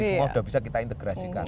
semua sudah bisa kita integrasikan